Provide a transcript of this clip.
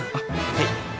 はい。